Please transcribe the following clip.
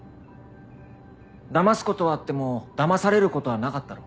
だますことはあってもだまされることはなかったろ？